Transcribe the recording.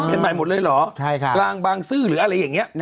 ใหม่หมดเลยเหรอกลางบางซื่อหรืออะไรอย่างนี้